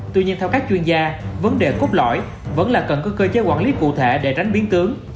tuy nhiên theo các chuyên gia vấn đề cốt lõi vẫn là cần có cơ chế quản lý cụ thể để tránh biến tướng